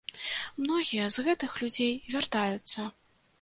Многія з гэтых людзей вяртаюцца.